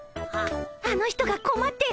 あの人がこまってる！